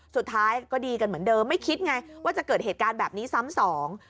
สุดท้ายก็ดีกันเหมือนเดิมไม่คิดไงว่าจะเกิดเหตุการณ์แบบนี้ซ้ำสอง